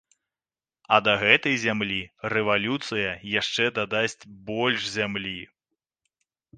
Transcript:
А да гэтай зямлі рэвалюцыя яшчэ дадасць больш зямлі.